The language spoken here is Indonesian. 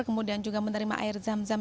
kemudian juga menerima air zam zam